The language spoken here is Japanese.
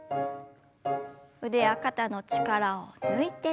腕や肩の力を抜いて。